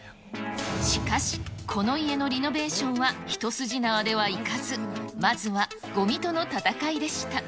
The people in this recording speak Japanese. しかし、この家のリノベーションは一筋縄ではいかず、まずは、ごみとの戦いでした。